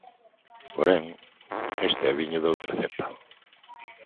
Porén, este é viño doutra cepa.